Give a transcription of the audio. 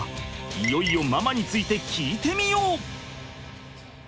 いよいよママについて聞いてみよう！